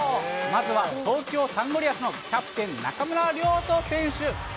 まずは東京サンゴリアスのキャプテン、中村亮土選手。